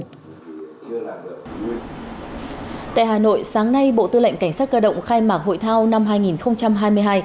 tại hà nội sáng nay bộ tư lệnh cảnh sát cơ động khai mạc hội thao năm hai nghìn hai mươi hai